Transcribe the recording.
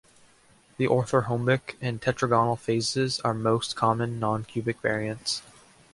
The orthorhombic and tetragonal phases are most common non-cubic variants.